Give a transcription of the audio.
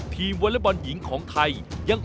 วอเล็กบอลหญิงของไทย